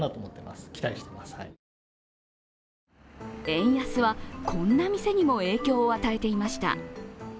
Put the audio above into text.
円安は、こんな店にも影響を与えていました。